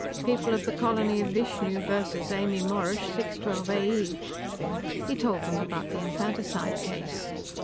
"People of the Colony of Vishnu versus Emily Morrosh, 612 A.E." He told them about the infanticide case.